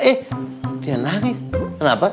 eh dia nangis kenapa